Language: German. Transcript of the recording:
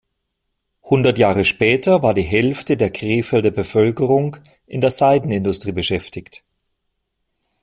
Hundert Jahre später war die Hälfte der Krefelder Bevölkerung in der Seidenindustrie beschäftigt.